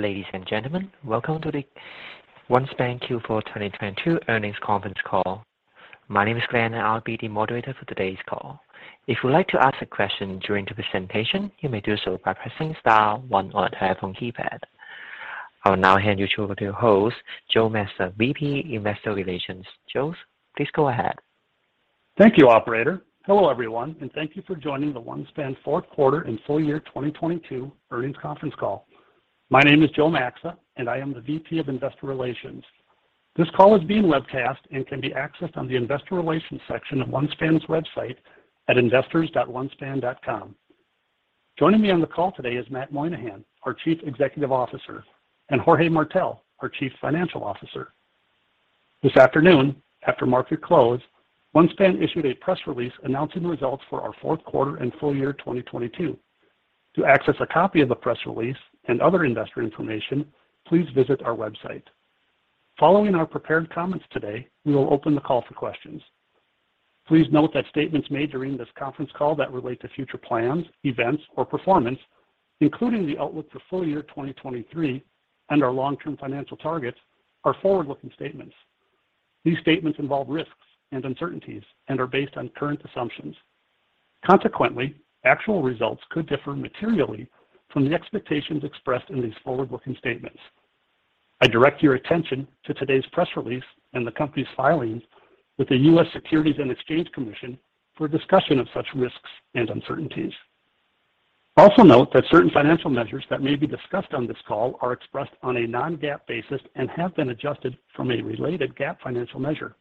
Ladies and gentlemen, welcome to the OneSpan Q4 2022 earnings conference call. My name is Glenn, and I'll be the moderator for today's call. If you'd like to ask a question during the presentation, you may do so by pressing star one on your telephone keypad. I will now hand you through to your host, Joe Maxa, VP Investor Relations. Joe, please go ahead. Thank you, operator. Hello, everyone, and thank you for joining the OneSpan fourth quarter and full year 2022 earnings conference call. My name is Joe Maxa, and I am the VP of Investor Relations. This call is being webcasted and can be accessed on the Investor Relations section of OneSpan's website at investors.onespan.com. Joining me on the call today is Matthew Moynahan, our Chief Executive Officer, and Jorge Martell, our Chief Financial Officer. This afternoon, after market close, OneSpan issued a press release announcing the results for our fourth quarter and full year 2022. To access a copy of the press release and other investor information, please visit our website. Following our prepared comments today, we will open the call for questions. Please note that statements made during this conference call that relate to future plans, events or performance, including the outlook for full year 2023 and our long-term financial targets are forward-looking statements. These statements involve risks and uncertainties and are based on current assumptions. Consequently, actual results could differ materially from the expectations expressed in these forward-looking statements. I direct your attention to today's press release and the company's filings with the U.S. Securities and Exchange Commission for a discussion of such risks and uncertainties. Note that certain financial measures that may be discussed on this call are expressed on a non-GAAP basis and have been adjusted from a related GAAP financial measure.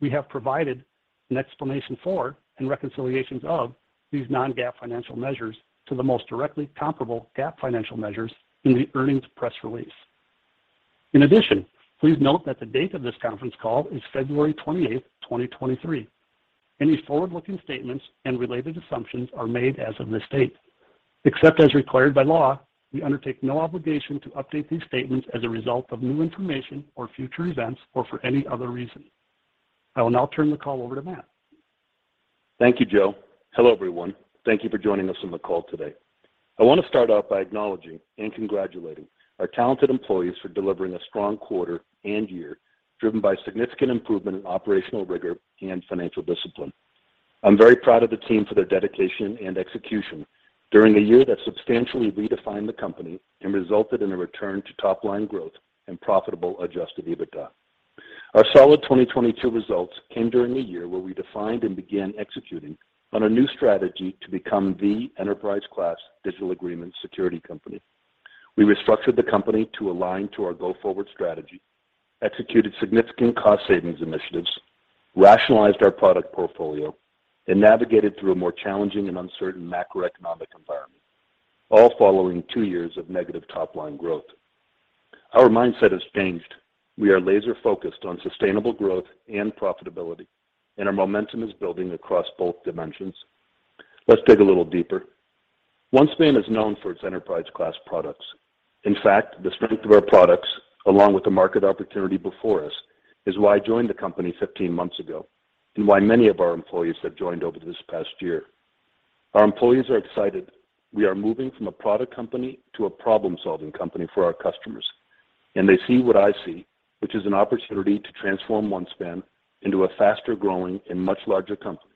We have provided an explanation for and reconciliations of these non-GAAP financial measures to the most directly comparable GAAP financial measures in the earnings press release. In addition, please note that the date of this conference call is February 28th 2023. Any forward-looking statements and related assumptions are made as of this date. Except as required by law, we undertake no obligation to update these statements as a result of new information or future events or for any other reason. I will now turn the call over to Matt. Thank you, Joe. Hello, everyone. Thank you for joining us on the call today. I want to start off by acknowledging and congratulating our talented employees for delivering a strong quarter and year driven by significant improvement in operational rigor and financial discipline. I'm very proud of the team for their dedication and execution during a year that substantially redefined the company and resulted in a return to top line growth and profitable adjusted EBITDA. Our solid 2022 results came during a year where we defined and began executing on a new strategy to become the enterprise class digital agreement security company. We restructured the company to align to our go forward strategy, executed significant cost savings initiatives, rationalized our product portfolio, and navigated through a more challenging and uncertain macroeconomic environment, all following two years of negative top line growth. Our mindset has changed. We are laser focused on sustainable growth and profitability, and our momentum is building across both dimensions. Let's dig a little deeper. OneSpan is known for its enterprise class products. In fact, the strength of our products, along with the market opportunity before us, is why I joined the company 15 months ago, and why many of our employees have joined over this past year. Our employees are excited. We are moving from a product company to a problem-solving company for our customers, and they see what I see, which is an opportunity to transform OneSpan into a faster growing and much larger company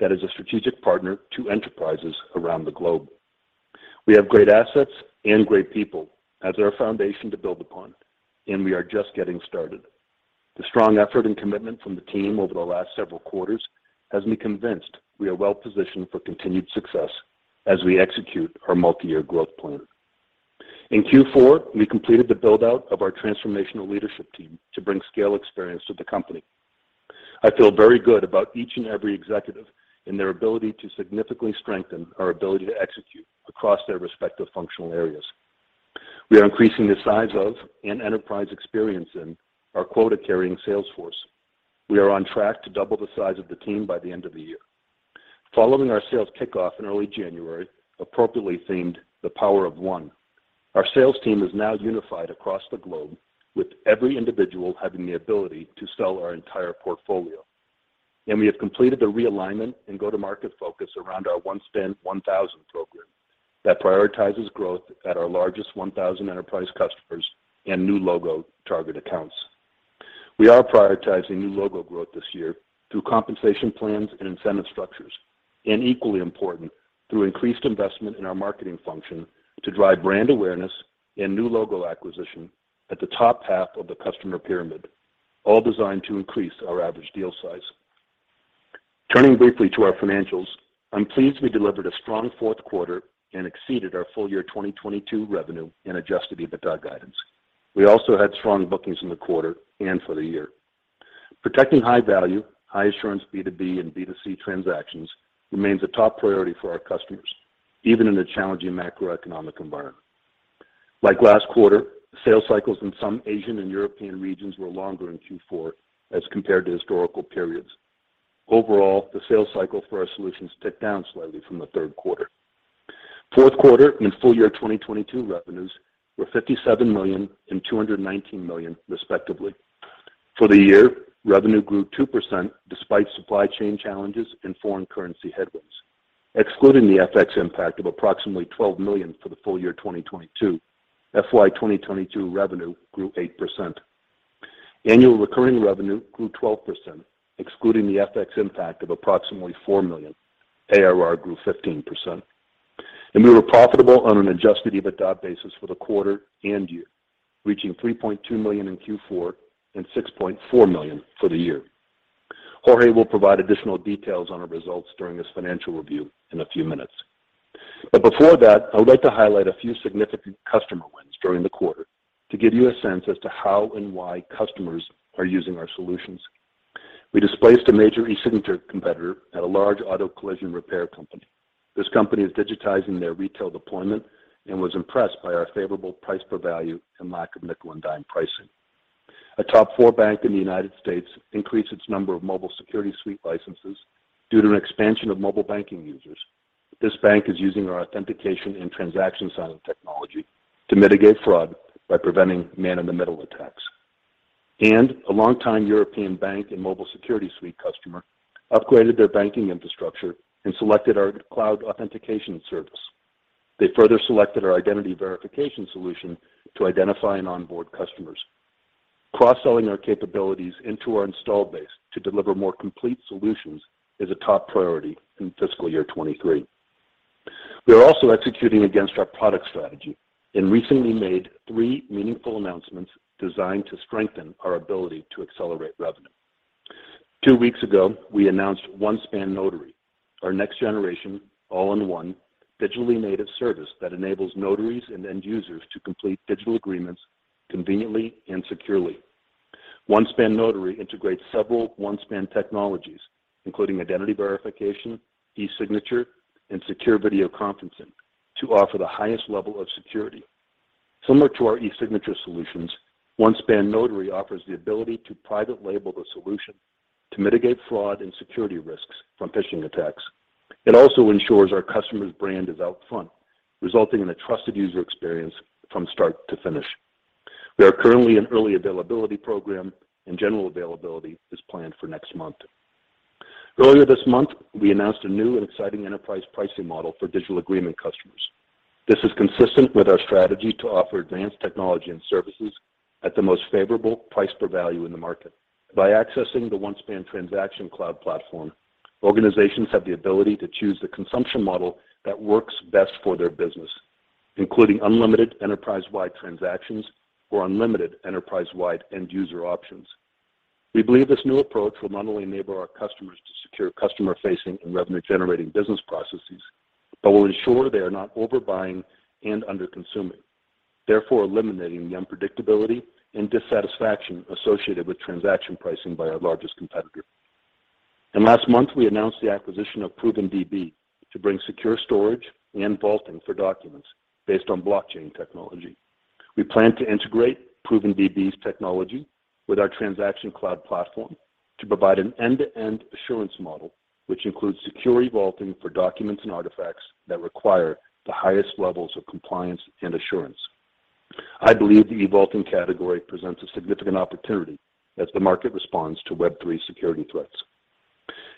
that is a strategic partner to enterprises around the globe. We have great assets and great people as our foundation to build upon, and we are just getting started. The strong effort and commitment from the team over the last several quarters has me convinced we are well positioned for continued success as we execute our multi-year growth plan. In Q4, we completed the build-out of our transformational leadership team to bring scale experience to the company. I feel very good about each and every executive in their ability to significantly strengthen our ability to execute across their respective functional areas. We are increasing the size of and enterprise experience in our quota-carrying sales force. We are on track to double the size of the team by the end of the year. Following our sales kickoff in early January, appropriately themed The Power of One, our sales team is now unified across the globe with every individual having the ability to sell our entire portfolio. We have completed the realignment and go-to-market focus around our OneSpan 1000 program that prioritizes growth at our largest 1,000 enterprise customers and new logo target accounts. We are prioritizing new logo growth this year through compensation plans and incentive structures, and equally important, through increased investment in our marketing function to drive brand awareness and new logo acquisition at the top half of the customer pyramid, all designed to increase our average deal size. Turning briefly to our financials, I'm pleased we delivered a strong fourth quarter and exceeded our full year 2022 revenue and Adjusted EBITDA guidance. We also had strong bookings in the quarter and for the year. Protecting high value, high assurance B2B and B2C transactions remains a top priority for our customers, even in a challenging macroeconomic environment. Like last quarter, sales cycles in some Asian and European regions were longer in Q4 as compared to historical periods. Overall, the sales cycle for our solutions ticked down slightly from the third quarter. Fourth quarter and full year 2022 revenues were $57 million and $219 million, respectively. For the year, revenue grew 2% despite supply chain challenges and foreign currency headwinds. Excluding the FX impact of approximately $12 million for the full year 2022, FY 2022 revenue grew 8%. Annual recurring revenue grew 12%. Excluding the FX impact of approximately $4 million, ARR grew 15%. We were profitable on an Adjusted EBITDA basis for the quarter and year, reaching $3.2 million in Q4 and $6.4 million for the year. Jorge will provide additional details on our results during his financial review in a few minutes. Before that, I would like to highlight a few significant customer wins during the quarter to give you a sense as to how and why customers are using our solutions. We displaced a major e-signature competitor at a large auto collision repair company. This company is digitizing their retail deployment and was impressed by our favorable price per value and lack of nickel and dime pricing. A top 4 bank in the United States increased its number of Mobile Security Suite licenses due to an expansion of mobile banking users. This bank is using our authentication and transaction signing technology to mitigate fraud by preventing man-in-the-middle attacks. A longtime European bank and Mobile Security Suite customer upgraded their banking infrastructure and selected our Cloud Authentication service. They further selected our Identity Verification solution to identify and onboard customers. Cross-selling our capabilities into our installed base to deliver more complete solutions is a top priority in fiscal year 2023. We are also executing against our product strategy and recently made three meaningful announcements designed to strengthen our ability to accelerate revenue. Two weeks ago, we announced OneSpan Notary, our next generation, all-in-one, digitally native service that enables notaries and end users to complete Digital Agreements conveniently and securely. OneSpan Notary integrates several OneSpan technologies, including Identity Verification, e-signature, and secure video conferencing, to offer the highest level of security. Similar to our e-signature solutions, OneSpan Notary offers the ability to private label the solution to mitigate fraud and security risks from phishing attacks. It also ensures our customer's brand is out front, resulting in a trusted user experience from start to finish. We are currently in early availability program, and general availability is planned for next month. Earlier this month, we announced a new and exciting enterprise pricing model for digital agreement customers. This is consistent with our strategy to offer advanced technology and services at the most favorable price per value in the market. By accessing the OneSpan Transaction Cloud Platform, organizations have the ability to choose the consumption model that works best for their business, including unlimited enterprise-wide transactions or unlimited enterprise-wide end user options. We believe this new approach will not only enable our customers to secure customer-facing and revenue-generating business processes, but will ensure they are not overbuying and underconsuming, therefore eliminating the unpredictability and dissatisfaction associated with transaction pricing by our largest competitor. Last month, we announced the acquisition of ProvenDB to bring secure storage and vaulting for documents based on blockchain technology. We plan to integrate ProvenDB's technology with our Transaction Cloud Platform to provide an end-to-end assurance model, which includes secure e-vaulting for documents and artifacts that require the highest levels of compliance and assurance. I believe the e-vaulting category presents a significant opportunity as the market responds to Web3 security threats.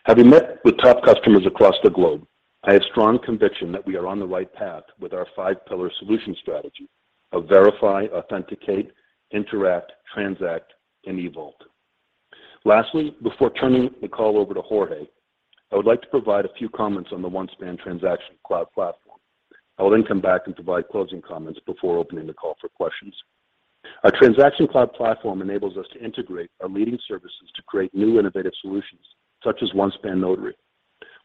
Having met with top customers across the globe, I have strong conviction that we are on the right path with our five pillar solution strategy of verify, authenticate, interact, transact, and e-vault. Before turning the call over to Jorge, I would like to provide a few comments on the OneSpan Transaction Cloud Platform. I will come back and provide closing comments before opening the call for questions. Our Transaction Cloud Platform enables us to integrate our leading services to create new innovative solutions, such as OneSpan Notary.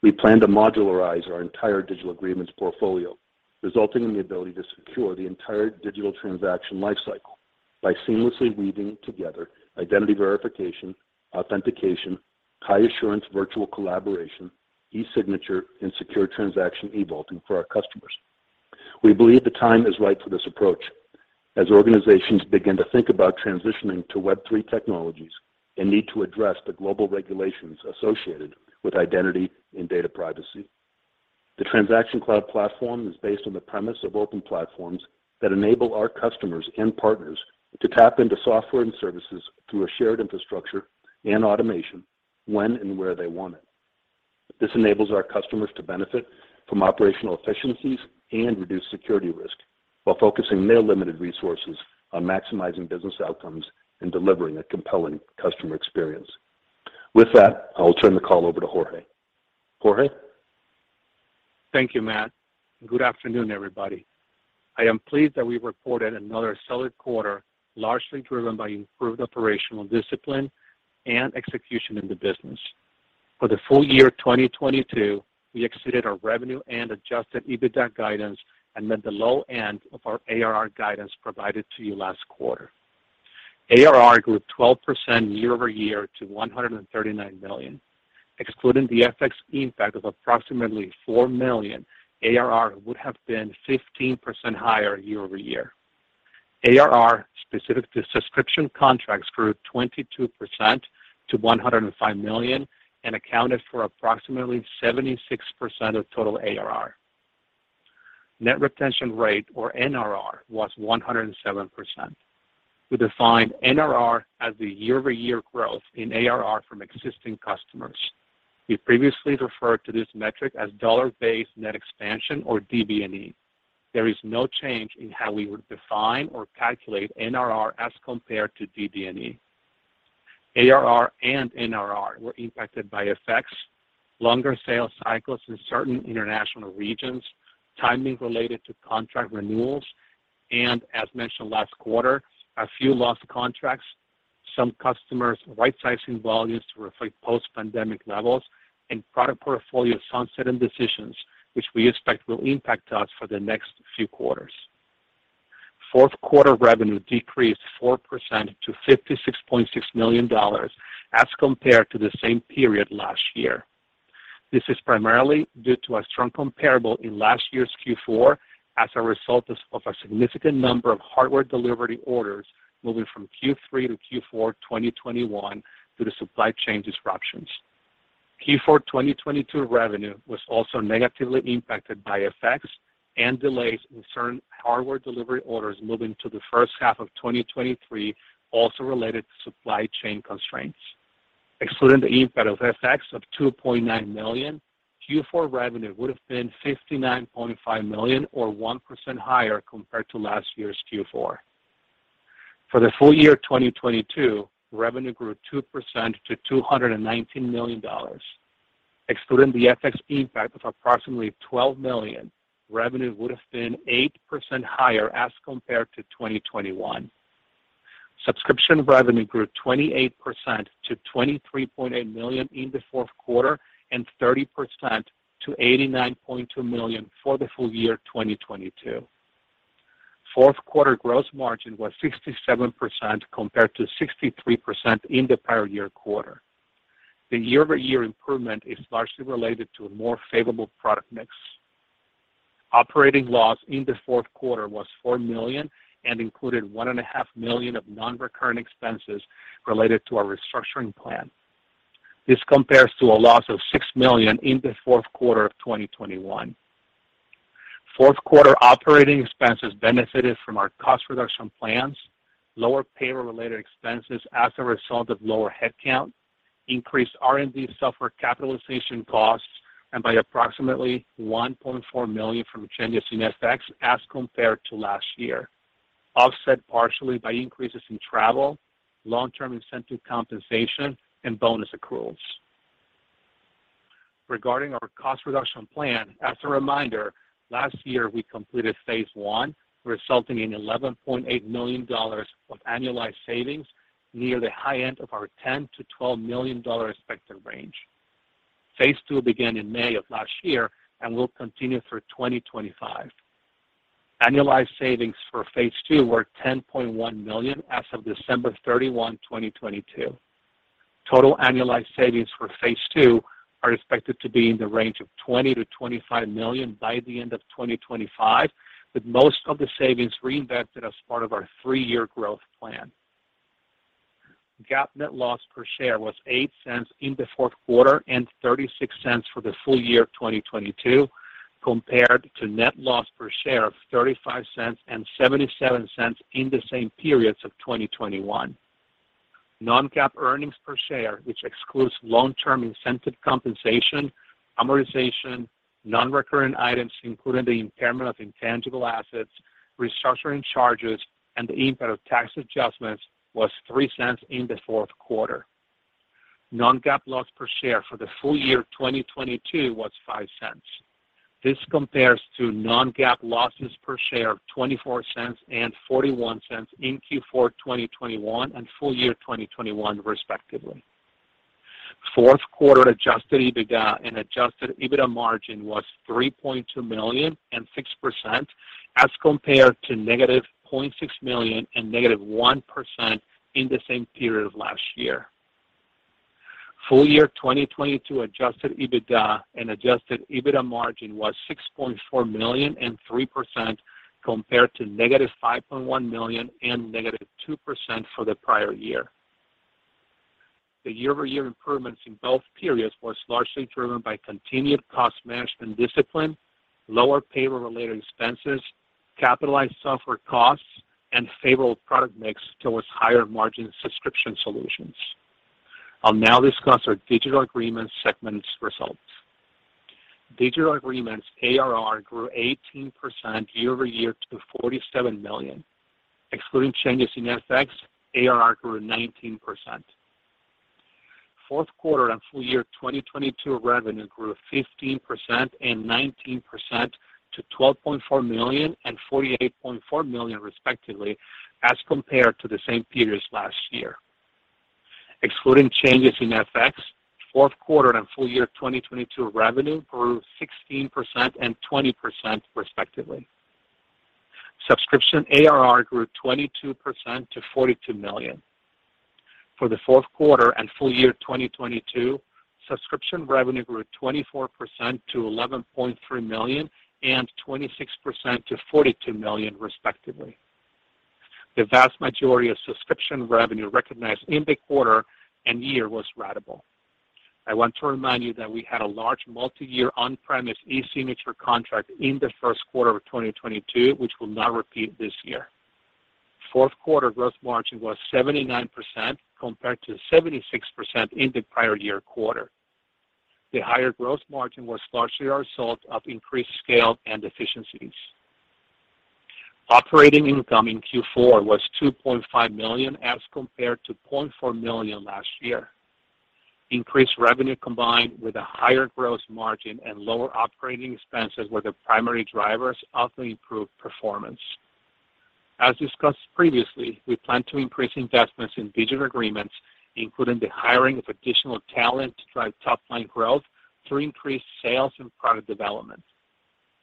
We plan to modularize our entire Digital Agreements portfolio, resulting in the ability to secure the entire digital transaction lifecycle by seamlessly weaving together Identity Verification, authentication, high assurance virtual collaboration, e-signature, and secure transaction e-vaulting for our customers. We believe the time is right for this approach as organizations begin to think about transitioning to Web3 technologies and need to address the global regulations associated with identity and data privacy. The Transaction Cloud Platform is based on the premise of open platforms that enable our customers and partners to tap into software and services through a shared infrastructure and automation when and where they want it. This enables our customers to benefit from operational efficiencies and reduce security risk while focusing their limited resources on maximizing business outcomes and delivering a compelling customer experience. With that, I will turn the call over to Jorge. Jorge? Thank you, Matt. Good afternoon, everybody. I am pleased that we reported another solid quarter, largely driven by improved operational discipline and execution in the business. For the full year 2022, we exceeded our revenue and Adjusted EBITDA guidance and met the low end of our ARR guidance provided to you last quarter. ARR grew 12%YoY to $139 million. Excluding the FX impact of approximately $4 million, ARR would have been 15% higher year-over-year. ARR specific to subscription contracts grew 22% to $105 million and accounted for approximately 76% of total ARR. Net retention rate or NRR was 107%. We define NRR as the year-over-year growth in ARR from existing customers. We previously referred to this metric as dollar-based net expansion or DBNE. There is no change in how we would define or calculate NRR as compared to DBNE. ARR and NRR were impacted by effects, longer sales cycles in certain international regions, timing related to contract renewals, as mentioned last quarter, a few lost contracts, some customers rightsizing volumes to reflect post-pandemic levels and product portfolio sunsetting decisions, which we expect will impact us for the next few quarters. Fourth quarter revenue decreased 4% to $56.6 million as compared to the same period last year. This is primarily due to a strong comparable in last year's Q4 as a result of a significant number of hardware delivery orders moving from Q3 to Q4, 2021 due to supply chain disruptions. Q4 2022 revenue was also negatively impacted by effects and delays in certain hardware delivery orders moving to the first half of 2023, also related to supply chain constraints. Excluding the impact of effects of $2.9 million, Q4 revenue would have been $59.5 million or 1% higher compared to last year's Q4. For the full year 2022, revenue grew 2% to $219 million. Excluding the FX impact of approximately $12 million, revenue would have been 8% higher as compared to 2021. Subscription revenue grew 28% to $23.8 million in the fourth quarter, and 30% to $89.2 million for the full year 2022. Fourth quarter gross margin was 67% compared to 63% in the prior year quarter. The year-over-year improvement is largely related to a more favorable product mix. Operating loss in the fourth quarter was $4 million and included one and a half million of non-recurring expenses related to our restructuring plan. This compares to a loss of $6 million in the fourth quarter of 2021. Fourth quarter operating expenses benefited from our cost reduction plans, lower payroll-related expenses as a result of lower headcount, increased R&D software capitalization costs, and by approximately $1.4 million from changes in FX as compared to last year, offset partially by increases in travel, long-term incentive compensation, and bonus accruals. Regarding our cost reduction plan, as a reminder, last year we completed phase I, resulting in $11.8 million of annualized savings near the high end of our $10 million-$12 million expected range. Phase II began in May of last year and will continue through 2025. Annualized savings for phaseII were $10.1 million as of December 31, 2022. Total annualized savings for phase II are expected to be in the range of $20 million-$25 million by the end of 2025, with most of the savings reinvested as part of our 3-year growth plan. GAAP net loss per share was $0.08 in the fourth quarter and $0.36 for the full year of 2022, compared to net loss per share of $0.35 and $0.77 in the same periods of 2021. Non-GAAP earnings per share, which excludes long-term incentive compensation, amortization, non-recurring items, including the impairment of intangible assets, restructuring charges, and the impact of tax adjustments, was $0.03 in the fourth quarter. Non-GAAP loss per share for the full year 2022 was $0.05. This compares to non-GAAP losses per share of $0.24 and $0.41 in Q4 2021 and full year 2021 respectively. Fourth quarter Adjusted EBITDA and Adjusted EBITDA margin was $3.2 million and 6% as compared to -$0.6 million and -1% in the same period of last year. Full year 2022 Adjusted EBITDA and Adjusted EBITDA margin was $6.4 million and 3% compared to -$5.1 million and -2% for the prior year. The year-over-year improvements in both periods was largely driven by continued cost management discipline, lower payroll-related expenses, capitalized software costs, and favorable product mix towards higher margin subscription solutions. I'll now discuss our Digital Agreements segment's results. Digital Agreements ARR grew 18% YoY to $47 million. Excluding changes in FX, ARR grew 19%. Fourth quarter and full year 2022 revenue grew 15% and 19% to $12.4 million and $48.4 million respectively as compared to the same periods last year. Excluding changes in FX, fourth quarter and full year 2022 revenue grew 16% and 20% respectively. Subscription ARR grew 22% to $42 million. For the fourth quarter and full year 2022, Subscription revenue grew 24% to $11.3 million and 26% to $42 million respectively. The vast majority of Subscription revenue recognized in the quarter and year was ratable. I want to remind you that we had a large multi-year on-premise e-signature contract in the first quarter of 2022, which will not repeat this year. Fourth quarter gross margin was 79% compared to 76% in the prior year quarter. The higher gross margin was largely a result of increased scale and efficiencies. Operating income in Q4 was $2.5 million as compared to $0.4 million last year. Increased revenue combined with a higher gross margin and lower operating expenses were the primary drivers of the improved performance. As discussed previously, we plan to increase investments in Digital Agreements, including the hiring of additional talent to drive top-line growth through increased sales and product development.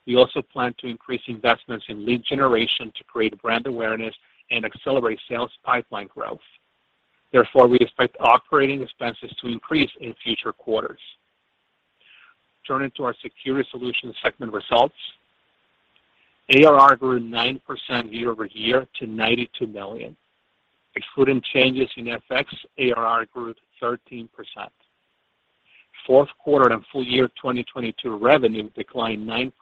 We also plan to increase investments in lead generation to create brand awareness and accelerate sales pipeline growth. We expect operating expenses to increase in future quarters. Turning to our Security Solutions segment results. ARR grew 9% YoY to $92 million. Excluding changes in FX, ARR grew 13%. Fourth quarter and full year 2022 revenue declined 9%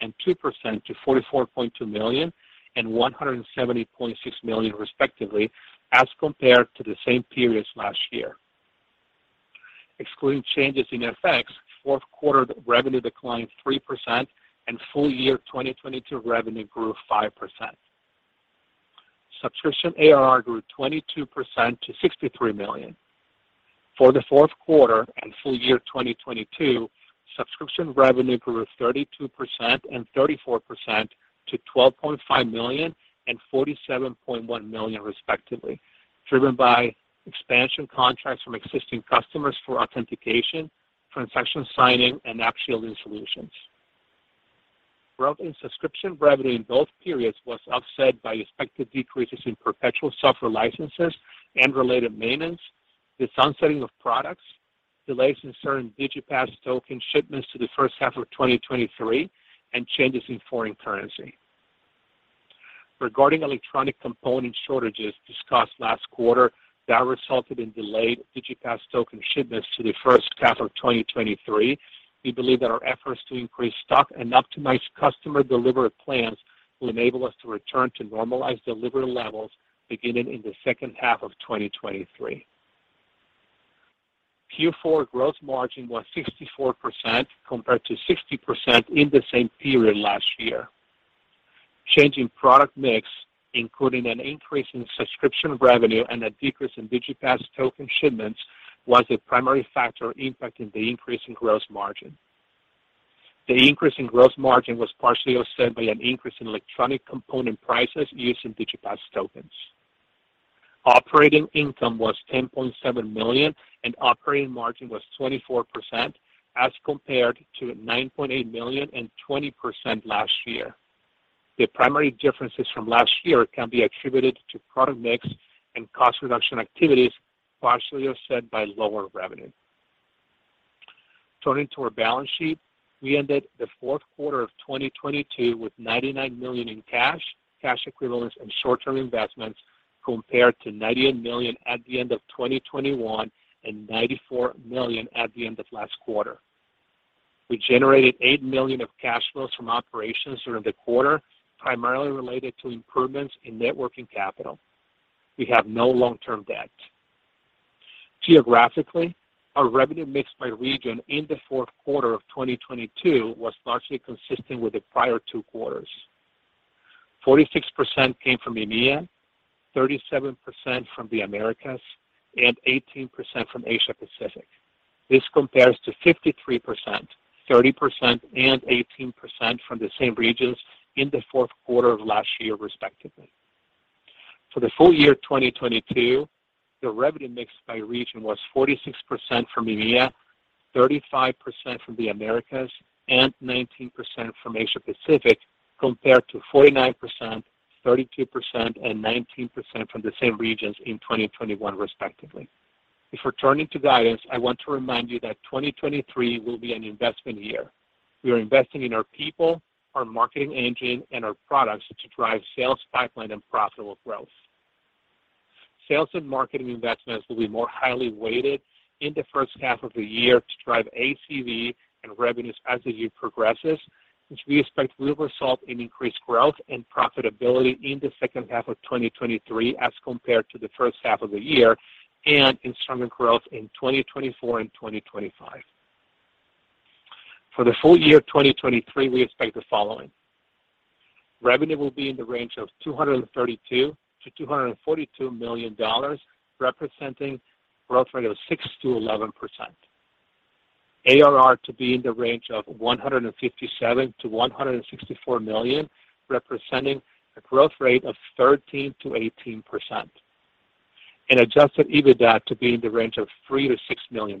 and 2% to $44.2 million and $170.6 million, respectively, as compared to the same periods last year. Excluding changes in FX, fourth quarter revenue declined 3% and full year 2022 revenue grew 5%. Subscription ARR grew 22% to $63 million. For the fourth quarter and full year 2022, Subscription revenue grew 32% and 34% to $12.5 million and $47.1 million, respectively, driven by expansion contracts from existing customers for authentication, transaction signing, and App Shielding solutions. Growth in Subscription revenue in both periods was offset by expected decreases in perpetual software licenses and related maintenance, the sunsetting of products, delays in certain Digipass token shipments to the first half of 2023, and changes in foreign currency. Regarding electronic component shortages discussed last quarter, that resulted in delayed Digipass token shipments to the first half of 2023. We believe that our efforts to increase stock and optimize customer delivery plans will enable us to return to normalized delivery levels beginning in the second half of 2023. Q4 gross margin was 64% compared to 60% in the same period last year. Change in product mix, including an increase in Subscription revenue and a decrease in Digipass token shipments, was the primary factor impacting the increase in gross margin. The increase in gross margin was partially offset by an increase in electronic component prices used in Digipass tokens. Operating income was $10.7 million, and operating margin was 24% as compared to $9.8 million and 20% last year. The primary differences from last year can be attributed to product mix and cost reduction activities, partially offset by lower revenue. Turning to our balance sheet, we ended the fourth quarter of 2022 with $99 million in cash equivalents, and short-term investments, compared to $98 million at the end of 2021 and $94 million at the end of last quarter. We generated $8 million of cash flows from operations during the quarter, primarily related to improvements in net working capital. We have no long-term debt. Geographically, our revenue mix by region in the fourth quarter of 2022 was largely consistent with the prior two quarters. 46% came from EMEA, 37% from the Americas, and 18% from Asia Pacific. This compares to 53%, 30%, and 18% from the same regions in the fourth quarter of last year, respectively. For the full year 2022, the revenue mix by region was 46% from EMEA, 35% from the Americas, and 19% from Asia Pacific, compared to 49%, 32%, and 19% from the same regions in 2021, respectively. Before turning to guidance, I want to remind you that 2023 will be an investment year. We are investing in our people, our marketing engine, and our products to drive sales pipeline and profitable growth. Sales and marketing investments will be more highly weighted in the first half of the year to drive ACV and revenues as the year progresses, which we expect will result in increased growth and profitability in the second half of 2023 as compared to the first half of the year and in stronger growth in 2024 and 2025. For the full year 2023, we expect the following. Revenue will be in the range of $232 million-$242 million, representing growth rate of 6%-11%. ARR to be in the range of $157 million-$164 million, representing a growth rate of 13%-18%. Adjusted EBITDA to be in the range of $3 million-$6 million.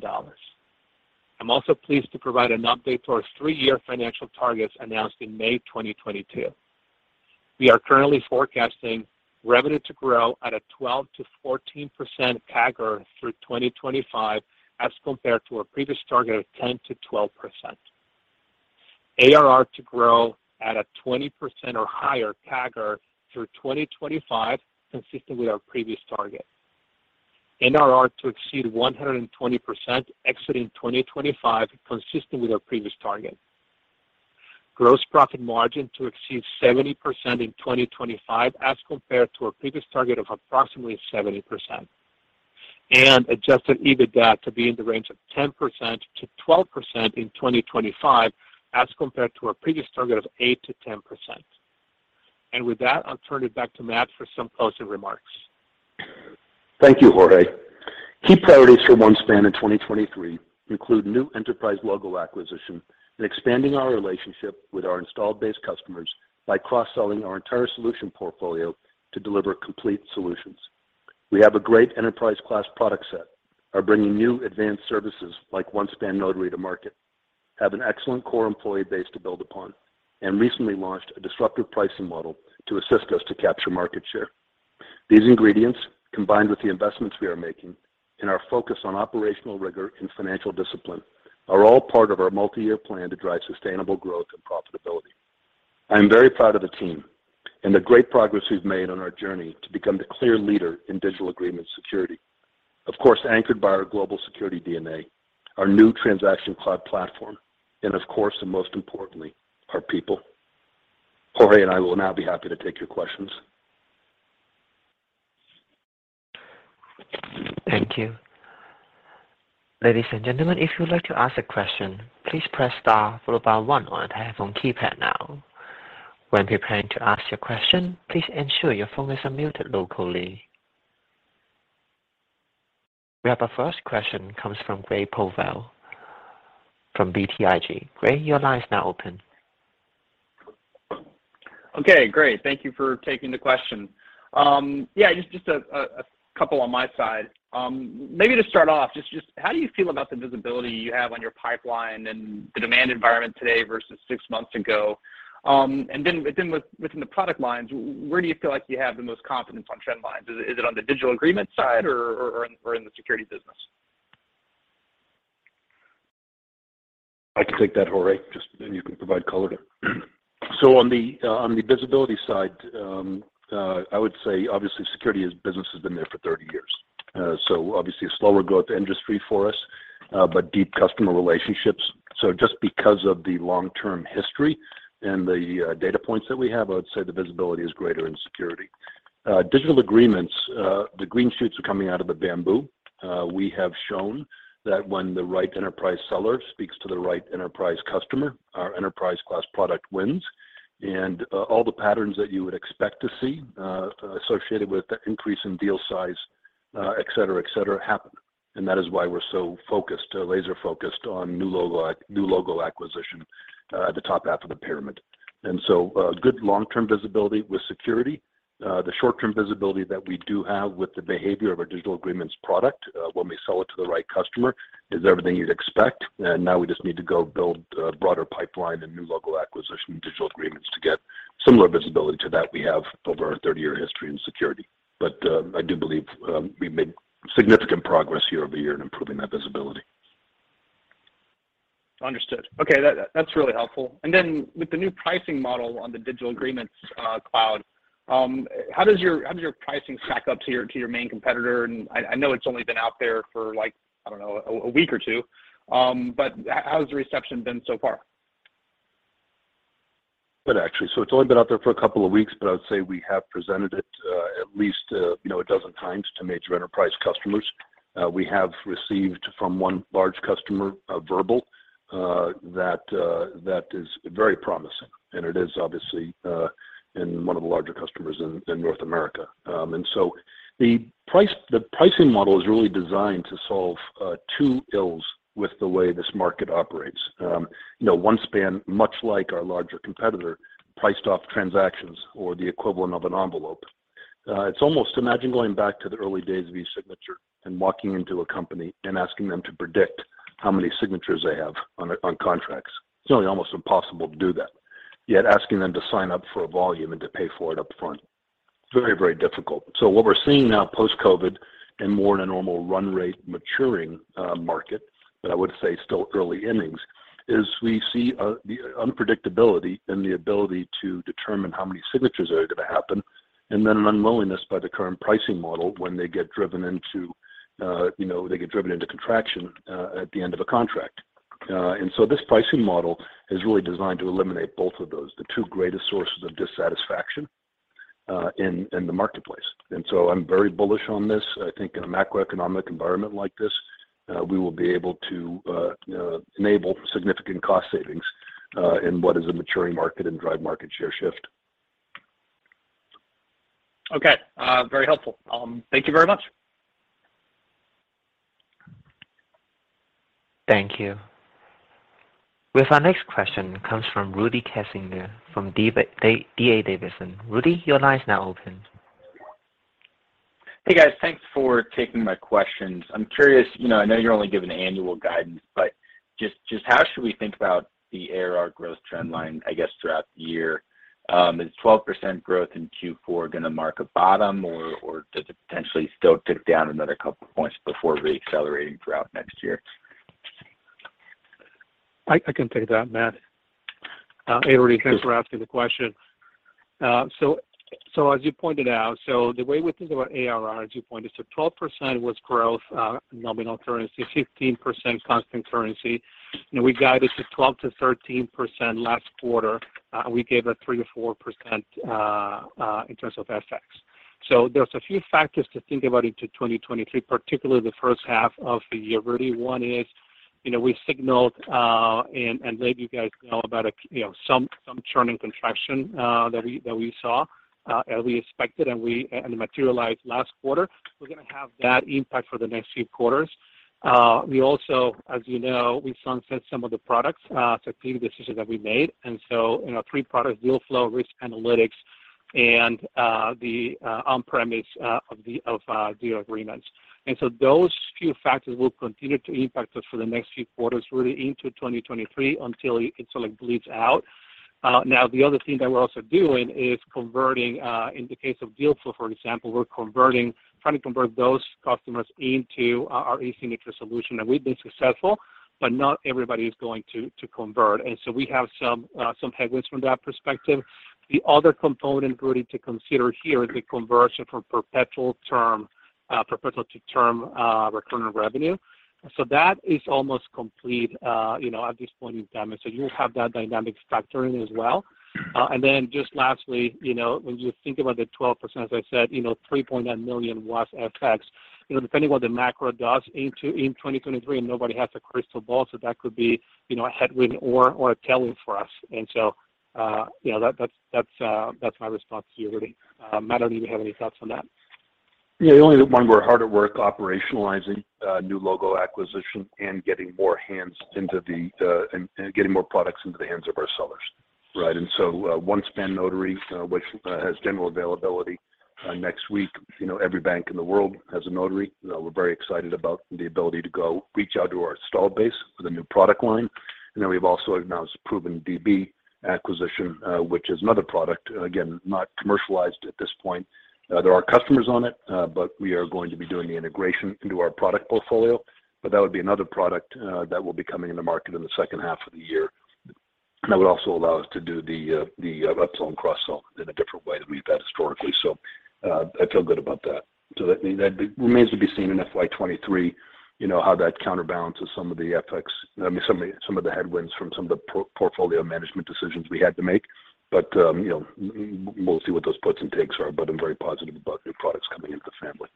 I'm also pleased to provide an update to our three-year financial targets announced in May 2022. We are currently forecasting revenue to grow at a 12%-14% CAGR through 2025 as compared to our previous target of 10%-12%. ARR to grow at a 20% or higher CAGR through 2025, consistent with our previous target. NRR to exceed 120% exiting 2025, consistent with our previous target. Gross profit margin to exceed 70% in 2025 as compared to our previous target of approximately 70%. Adjusted EBITDA to be in the range of 10%-12% in 2025 as compared to our previous target of 8%-10%. With that, I'll turn it back to Matt for some closing remarks. Thank you, Jorge. Key priorities for OneSpan in 2023 include new enterprise logo acquisition and expanding our relationship with our installed base customers by cross-selling our entire solution portfolio to deliver complete solutions. We have a great enterprise class product set, are bringing new advanced services like OneSpan Card Readers to market, have an excellent core employee base to build upon, and recently launched a disruptive pricing model to assist us to capture market share. These ingredients, combined with the investments we are making and our focus on operational rigor and financial discipline, are all part of our multi-year plan to drive sustainable growth and profitability. I am very proud of the team and the great progress we've made on our journey to become the clear leader in digital agreement security. Of course, anchored by our global security DNA, our new Transaction Cloud Platform, and of course, and most importantly, our people. Jorge and I will now be happy to take your questions. Thank you. Ladies and gentlemen, if you would like to ask a question, please press star followed by one on your telephone keypad now. When preparing to ask your question, please ensure your phone is unmuted locally. We have our first question comes from Gray Powell from BTIG. Gray, your line is now open. Okay, great. Thank you for taking the question. Yeah, just a couple on my side. Maybe to start off, just how do you feel about the visibility you have on your pipeline and the demand environment today versus 6 months ago? Within the product lines, where do you feel like you have the most confidence on trend lines? Is it on the Digital Agreements side or in the security business? I can take that, Jorge, just then you can provide color. On the visibility side, I would say obviously security as business has been there for 30 years. Obviously a slower growth industry for us, but deep customer relationships. Just because of the long-term history and the data points that we have, I would say the visibility is greater in security. Digital Agreements, the green shoots are coming out of the bamboo. We have shown that when the right enterprise seller speaks to the right enterprise customer, our enterprise class product wins. All the patterns that you would expect to see associated with the increase in deal size, et cetera, et cetera, happen. That is why we're so focused, laser focused on new logo acquisition at the top half of the pyramid. Good long-term visibility with security. The short-term visibility that we do have with the behavior of our Digital Agreements product, when we sell it to the right customer, is everything you'd expect. Now we just need to go build a broader pipeline and new logo acquisition Digital Agreements to get similar visibility to that we have over our 30-year history in security. I do believe, we've made significant progress year-over-year in improving that visibility. Understood. Okay. That's really helpful. Then with the new pricing model on the Digital Agreements, cloud, how does your pricing stack up to your main competitor? I know it's only been out there for like, I don't know, a week or 2, but how has the reception been so far? Good, actually. It's only been out there for 2 weeks, but I would say we have presented it, you know, 12 times to major enterprise customers. We have received from 1 large customer a verbal that is very promising. It is obviously in 1 of the larger customers in North America. The pricing model is really designed to solve two ills with the way this market operates. You know, OneSpan, much like our larger competitor, priced off transactions or the equivalent of an envelope. It's almost imagine going back to the early days of e-signature and walking into a company and asking them to predict how many signatures they have on contracts. It's nearly almost impossible to do that. Yet asking them to sign up for a volume and to pay for it up front, very, very difficult. What we're seeing now post-COVID and more in a normal run rate maturing market, but I would say still early innings, is we see the unpredictability and the ability to determine how many signatures are going to happen, and then an unwillingness by the current pricing model when they get driven into, you know, they get driven into contraction at the end of a contract. This pricing model is really designed to eliminate both of those, the two greatest sources of dissatisfaction in the marketplace. I'm very bullish on this. I think in a macroeconomic environment like this, we will be able to enable significant cost savings in what is a maturing market and drive market share shift. Okay. very helpful. thank you very much. Thank you. With our next question comes from Rudy Kessinger from D.A. Davidson. Rudy, your line is now open. Hey, guys. Thanks for taking my questions. I'm curious, you know, I know you're only giving annual guidance, but just how should we think about the ARR growth trend line, I guess, throughout the year? Is 12% growth in Q4 gonna mark a bottom or does it potentially still tick down another couple points before reaccelerating throughout next year? I can take that, Matt. Rudy, thanks for asking the question. As you pointed out, the way we think about ARR, 12% was growth, nominal currency, 15% constant currency. You know, we guided to 12%-13% last quarter, we gave a 3%-4% in terms of FX. There's a few factors to think about into 2023, particularly the first half of the year. Rudy, one is, you know, we signaled, and let you guys know about some churning contraction that we saw as we expected, and it materialized last quarter. We're gonna have that impact for the next few quarters. We also, as you know, we sunset some of the products, it's a key decision that we made. You know, 3 products, DealFlow, Risk Analytics, and the on-premise of the deal agreements. Those few factors will continue to impact us for the next few quarters, really into 2023 until it sort of bleeds out. Now, the other thing that we're also doing is converting, in the case of DealFlow, for example, we're trying to convert those customers into our e-signature solution. We've been successful, but not everybody is going to convert. We have some headwinds from that perspective. The other component, Rudy, to consider here is the conversion from perpetual term, perpetual to term, recurring revenue. That is almost complete, you know, at this point in time. You have that dynamic factoring as well. Just lastly, you know, when you think about the 12%, as I said, you know, $3.9 million was FX. You know, depending what the macro does in 2023, and nobody has a crystal ball, so that could be, you know, a headwind or a tailwind for us. You know, that's my response to you, Rudy. Matt, I don't know if you have any thoughts on that. Yeah. The only one we're hard at work operationalizing a new logo acquisition and getting more hands into the, and getting more products into the hands of our sellers, right? OneSpan Notary, which has general availability next week. You know, every bank in the world has a notary. We're very excited about the ability to go reach out to our install base with a new product line. We've also announced a ProvenDB acquisition, which is another product, again, not commercialized at this point. There are customers on it, but we are going to be doing the integration into our product portfolio. That would be another product that will be coming in the market in the second half of the year. That would also allow us to do the [up ] cross-sell in a different way than we've had historically. I feel good about that. That remains to be seen in FY 2023, you know, how that counterbalances some of the FX... I mean, some of the, some of the headwinds from some of the portfolio management decisions we had to make. We'll see what those puts and takes are, but I'm very positive about new products coming into the family.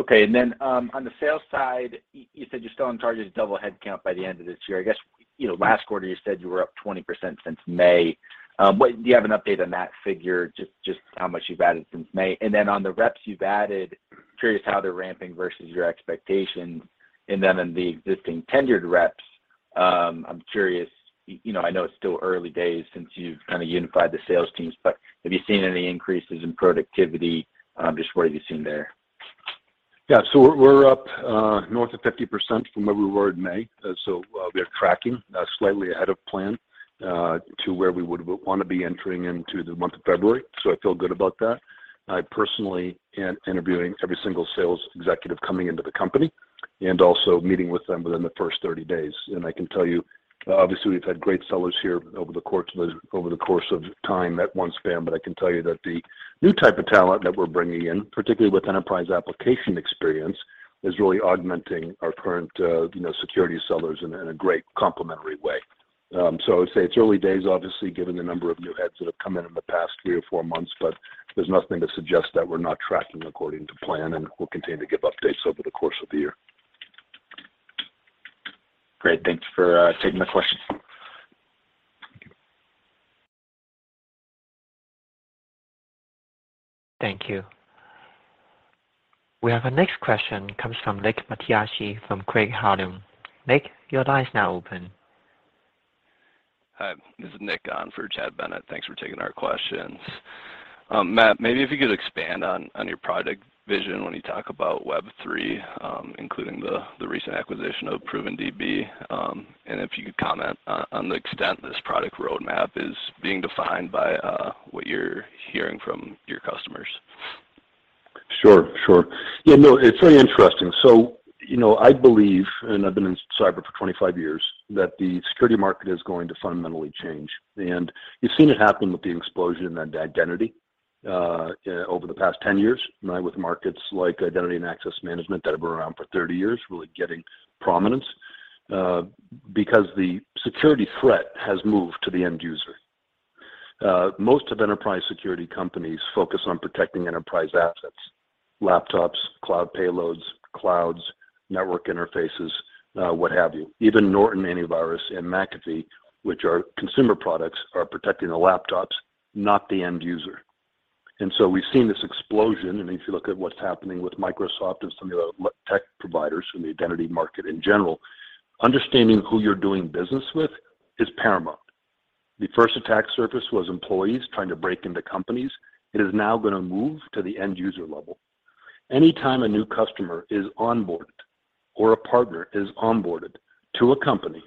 Okay. Then, on the sales side, you said you're still on target to double headcount by the end of this year. I guess, you know, last quarter you said you were up 20% since May. Do you have an update on that figure? Just how much you've added since May. Then on the reps you've added, curious how they're ramping versus your expectations. Then in the existing tenured reps, I'm curious, you know, I know it's still early days since you've kind of unified the sales teams, but have you seen any increases in productivity? Just what have you seen there? Yeah. We're up north of 50% from where we were in May. We are tracking slightly ahead of plan to where we would want to be entering into the month of February. I feel good about that. I personally am interviewing every single sales executive coming into the company and also meeting with them within the first 30 days. I can tell you, obviously, we've had great sellers here over the course of time at OneSpan, but I can tell you that the new type of talent that we're bringing in, particularly with enterprise application experience, is really augmenting our current, you know, security sellers in a great complementary way. I would say it's early days, obviously, given the number of new heads that have come in in the past three or four months, but there's nothing to suggest that we're not tracking according to plan, and we'll continue to give updates over the course of the year. Great. Thank you for taking the question. Thank you. We have our next question comes from Nick Mattiacci from Craig-Hallum. Nick, your line is now open. Hi, this is Nick on for Chad Bennett. Thanks for taking our questions. Matt, maybe if you could expand on your product vision when you talk about Web3, including the recent acquisition of ProvenDB, and if you could comment on the extent this product roadmap is being defined by what you're hearing from your customers? Sure. Sure. Yeah, no, it's very interesting. You know, I believe, and I've been in cyber for 25 years, that the security market is going to fundamentally change. You've seen it happen with the explosion in identity over the past 10 years. Now, with markets like identity and access management that have been around for 30 years, really getting prominence because the security threat has moved to the end user. Most of enterprise security companies focus on protecting enterprise assets, laptops, cloud payloads, clouds, network interfaces, what have you. Even Norton AntiVirus and McAfee, which are consumer products, are protecting the laptops, not the end user. We've seen this explosion, and if you look at what's happening with Microsoft and some of the tech providers in the identity market in general, understanding who you're doing business with is paramount. The first attack surface was employees trying to break into companies. It is now going to move to the end user level. Anytime a new customer is onboarded or a partner is onboarded to a company.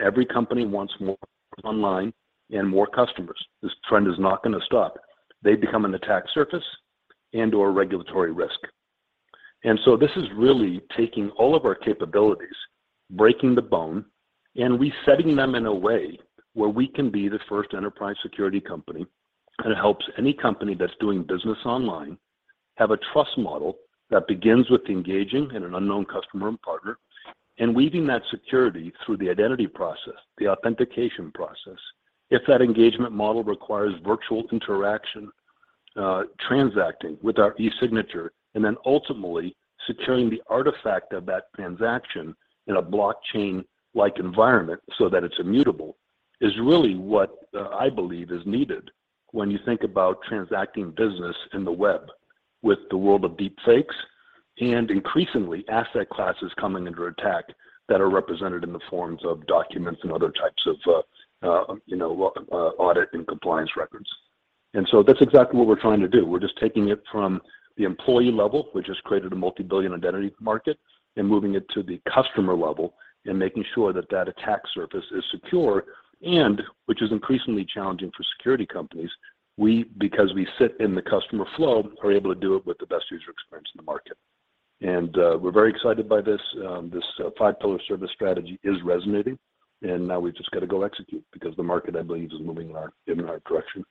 Every company wants more online and more customers, this trend is not going to stop. They become an attack surface and or regulatory risk. This is really taking all of our capabilities, breaking the bone, and resetting them in a way where we can be the first enterprise security company that helps any company that's doing business online have a trust model that begins with engaging in an unknown customer and partner and weaving that security through the identity process, the authentication process. If that engagement model requires virtual interaction, transacting with our e-signature, and then ultimately securing the artifact of that transaction in a blockchain-like environment so that it's immutable, is really what I believe is needed when you think about transacting business in the web with the world of deep fakes and increasingly asset classes coming under attack that are represented in the forms of documents and other types of, you know, audit and compliance records. That's exactly what we're trying to do. We're just taking it from the employee level, which has created a multi-billion identity market, and moving it to the customer level and making sure that that attack surface is secure and, which is increasingly challenging for security companies, we, because we sit in the customer flow, are able to do it with the best user experience in the market. We're very excited by this. This 5-pillar service strategy is resonating, and now we've just got to go execute because the market, I believe, is moving in the right direction.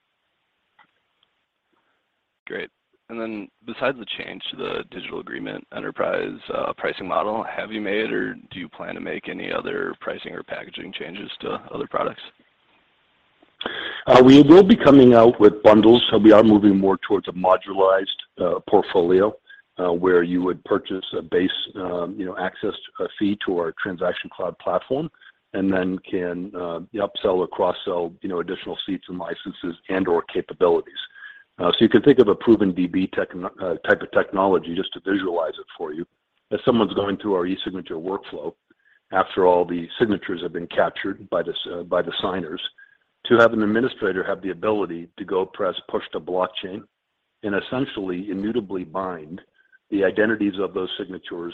Great. Then besides the change to the Digital Agreements enterprise, pricing model, have you made or do you plan to make any other pricing or packaging changes to other products? We will be coming out with bundles. We are moving more towards a modularized portfolio, where you would purchase a base, you know, access fee to our Transaction Cloud Platform. Can, you know, upsell or cross-sell, you know, additional seats and licenses and/or capabilities. You can think of a ProvenDB type of technology just to visualize it for you. As someone's going through our e-signature workflow, after all the signatures have been captured by the signers, to have an administrator have the ability to go press push to blockchain and essentially immutably bind the identities of those signatures,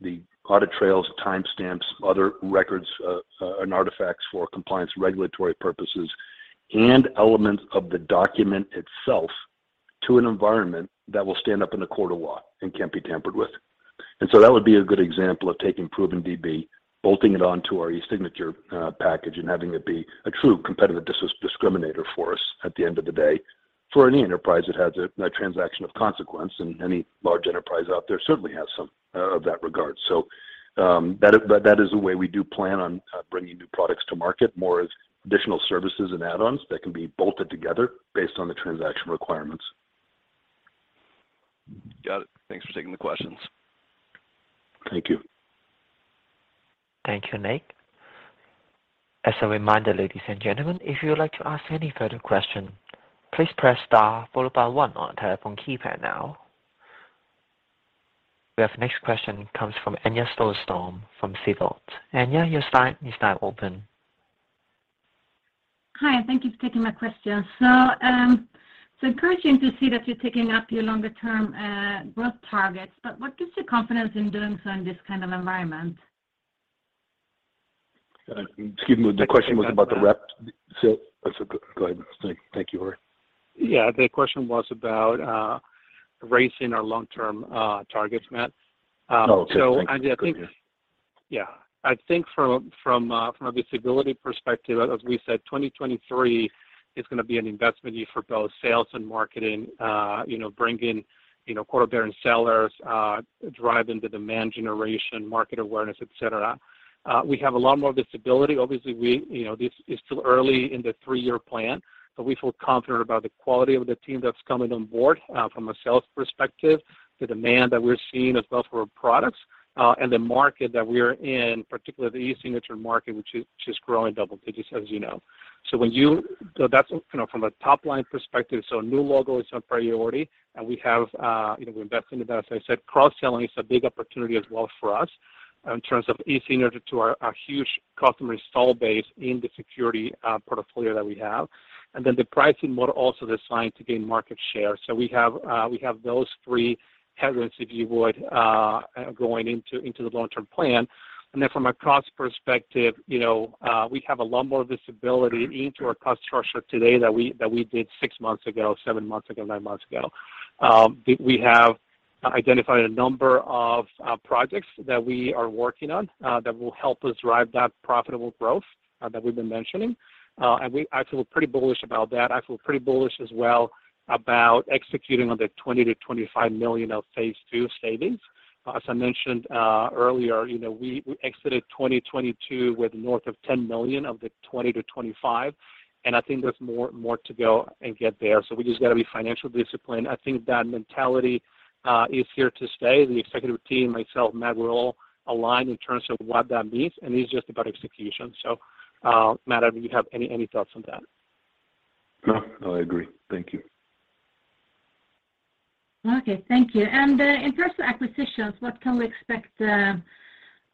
the audit trails, timestamps, other records and artifacts for compliance regulatory purposes and elements of the document itself to an environment that will stand up in the court of law and can't be tampered with. That would be a good example of taking ProvenDB, bolting it on to our e-signature package and having it be a true competitive discriminator for us at the end of the day for any enterprise that has a transaction of consequence. Any large enterprise out there certainly has some of that regard. That is the way we do plan on bringing new products to market, more as additional services and add-ons that can be bolted together based on the transaction requirements. Got it. Thanks for taking the questions. Thank you. Thank you, Nick. As a reminder, ladies and gentlemen, if you would like to ask any further question, please press star followed by one on telephone keypad now. We have next question comes from Anja Soderstrom from Sidoti. Anja, your line is now open. Hi, and thank you for taking my question. It's encouraging to see that you're taking up your longer-term growth targets, but what gives you confidence in doing so in this kind of environment? Excuse me. Go ahead. Thank you, Jorge. Yeah, the question was about raising our long-term targets, Matt. Oh, okay. Thank you. I think, yeah. From a visibility perspective, as we said, 2023 is gonna be an investment year for both sales and marketing, you know, bring in, you know, quota-bearing sellers, drive into demand generation, market awareness, et cetera. We have a lot more visibility. Obviously, we, you know, this is still early in the three-year plan, but we feel confident about the quality of the team that's coming on board, from a sales perspective, the demand that we're seeing as well for our products, and the market that we are in, particularly the e-signature market, which is growing double digits, as you know. That's, you know, from a top-line perspective. New logo is on priority, and we have, you know, we're investing in that. As I said, cross-selling is a big opportunity as well for us in terms of e-signature to our huge customer install base in the security portfolio that we have. The pricing model also designed to gain market share. We have those three headwinds, if you would, going into the long-term plan. From a cost perspective, you know, we have a lot more visibility into our cost structure today than we did six months ago, seven months ago, nine months ago. We have identified a number of projects that we are working on that will help us drive that profitable growth that we've been mentioning. I feel pretty bullish about that. I feel pretty bullish as well about executing on the $20 million-$25 million of phase II savings. As I mentioned, earlier, you know, we exited 2022 with north of $10 million of the $20 million-$25 million, and I think there's more to go and get there. We just got to be financially disciplined. I think that mentality is here to stay. The executive team, myself, Matt, we're all aligned in terms of what that means, and it's just about execution. Matt, I don't know if you have any thoughts on that. No. No, I agree. Thank you. Okay, thank you. In terms of acquisitions, what can we expect?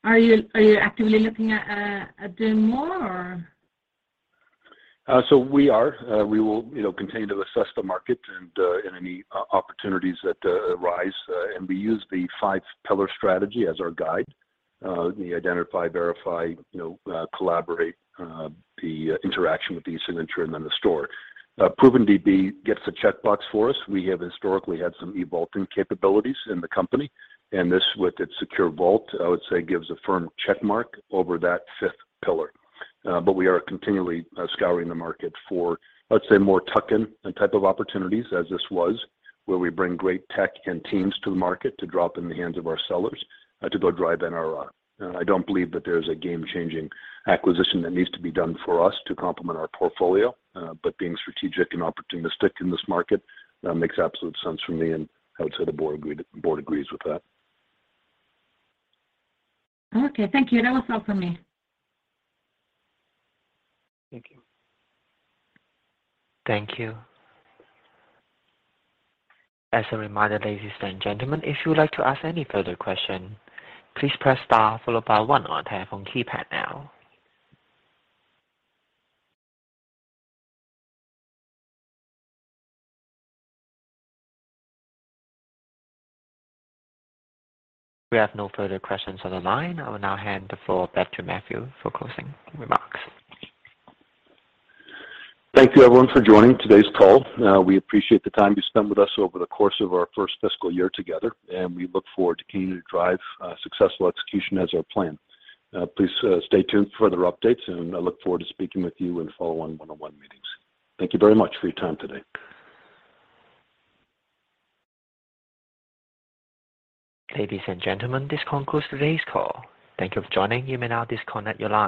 Are you actively looking at doing more or? We are. We will, you know, continue to assess the market and any opportunities that arise. We use the five-pillar strategy as our guide. The identify, verify, you know, collaborate, the interaction with e-signature and the store. ProvenDB gets a checkbox for us. We have historically had some e-vaulting capabilities in the company. This with its [secure vault], I would say, gives a firm check mark over that fifth pillar. We are continually scouring the market for, let's say, more tuck-in type of opportunities as this was, where we bring great tech and teams to the market to drop in the hands of our sellers to go drive NRR. I don't believe that there's a game-changing acquisition that needs to be done for us to complement our portfolio. Being strategic and opportunistic in this market, makes absolute sense for me, and I would say the board agrees with that. Okay, thank you. That was all for me. Thank you. Thank you. As a reminder, ladies and gentlemen, if you would like to ask any further question, please press star followed by one on telephone keypad now. We have no further questions on the line. I will now hand the floor back to Matthew for closing remarks. Thank you, everyone, for joining today's call. We appreciate the time you spent with us over the course of our first fiscal year together. We look forward to continuing to drive successful execution as our plan. Please stay tuned for further updates. I look forward to speaking with you in follow-on one-on-one meetings. Thank you very much for your time today. Ladies and gentlemen, this concludes today's call. Thank you for joining. You may now disconnect your line.